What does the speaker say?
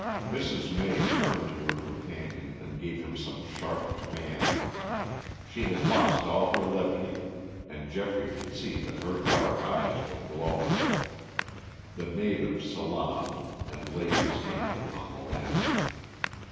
Mrs. May turned to her companion and gave him some sharp command. She had lost all her levity and Geoffrey could see that her dark eyes were glowing. The native salaamed and laid his hand upon the lantern.